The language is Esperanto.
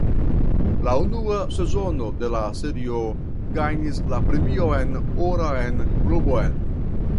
La unua sezono de la serio gajnis la Premion Oran Globon.